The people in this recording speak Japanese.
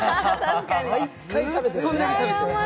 毎回食べてる。